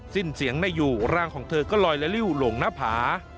สิ้นเสียงนายอยู่ร่างของเธอก็ลอยละริวหน่าผา